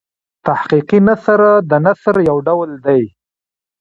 تحقیقي نثر د نثر یو ډول دﺉ.